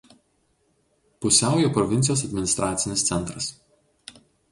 Pusiaujo provincijos administracinis centras.